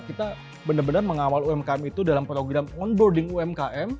kita benar benar mengawal umkm itu dalam program onboarding umkm